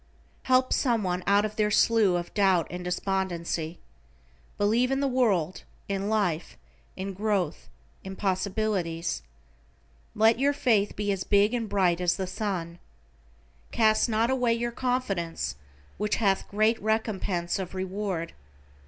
Help someone out of their slough of doubt and despondency. Believe in the world, in life, in growth, in possibilities. Let your faith be as big and bright as the sun. "Cast not away your confidence which hath great recompense of reward."